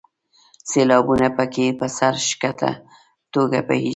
سیلابونه په کې په سر ښکته توګه بهیږي.